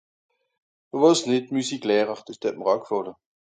(...) Müsiklehrer, dìs datt m'r au gfàlle.